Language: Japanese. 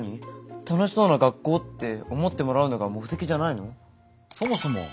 楽しそうな学校って思ってもらうのが目的じゃないの？